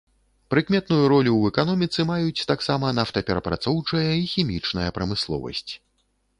Прыкметную ролю ў эканоміцы маюць таксама нафтаперапрацоўчая і хімічная прамысловасць.